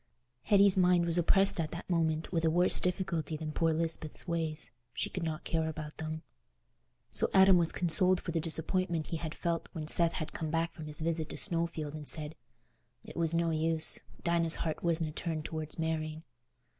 Hetty's mind was oppressed at that moment with a worse difficulty than poor Lisbeth's ways; she could not care about them. So Adam was consoled for the disappointment he had felt when Seth had come back from his visit to Snowfield and said "it was no use—Dinah's heart wasna turned towards marrying."